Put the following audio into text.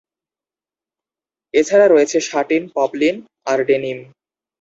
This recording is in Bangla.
এ ছাড়া রয়েছে শাটিন, পপলিন আর ডেনিম।